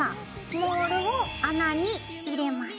モールを穴に入れます。